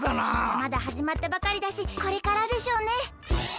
まだはじまったばかりだしこれからでしょうね。